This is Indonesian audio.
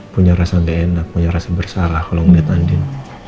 punya rasa d enak punya rasa bersalah kalau melihat andin